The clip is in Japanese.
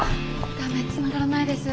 ダメつながらないです。